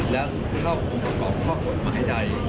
และเข้าคงประกอบข้อมันให้ให้ได้